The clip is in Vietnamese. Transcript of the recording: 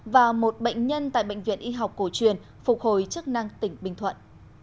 và một bệnh nhân tại bệnh viện y học cổ truyền phục hồi chức năng tỉnh bình thuận